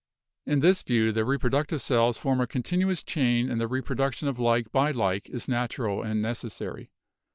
In this view the reproductive cells form a continuous chain and the reproduction of like by like is natural and necessary.